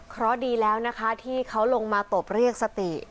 เพราะดีแล้วนะคะที่เขาลงมาตบเรียกสติ